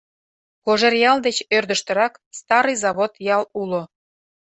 Кожеръял деч ӧрдыжтырак Старый Завод ял уло.